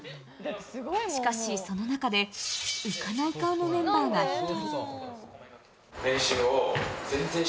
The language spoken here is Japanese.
しかし、その中で浮かない顔のメンバーが１人。